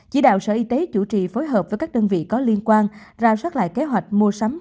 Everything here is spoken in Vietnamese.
chỉ đạo sở y tế chủ trì phối hợp với các đơn vị có liên quan ra soát lại kế hoạch mua sắm